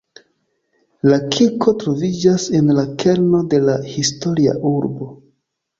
La kirko troviĝas en la kerno de la historia urbo.